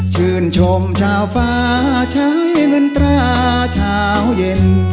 ชื่นชมชาวฟ้าใช้เงินตราเช้าเย็น